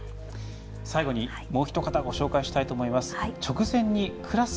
最後に、もうひと方ご紹介したいと思います。